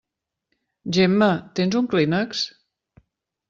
Gemma, tens un clínex?